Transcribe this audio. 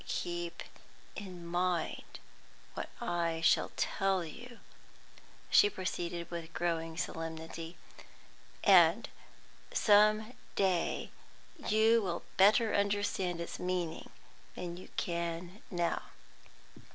"Keep in mind what I shall tell you," she proceeded with growing solemnity, "and some day you will better understand its meaning than you can now.